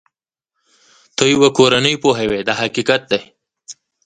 ته یوه کورنۍ پوهوې دا حقیقت دی.